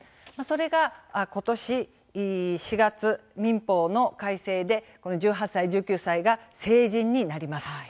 それがことし４月民法の改正で１８歳１９歳が成人になります。